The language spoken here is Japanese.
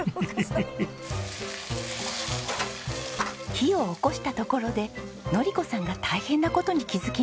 火をおこしたところで典子さんが大変な事に気づきます。